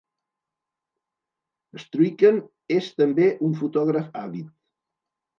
Struycken és també un fotògraf àvid.